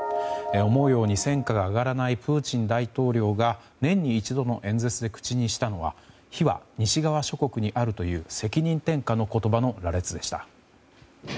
思うように戦果が上がらないプーチン大統領が年に一度の演説で口にしたのは非は西側諸国にあるという責任転嫁の言葉の羅列でした。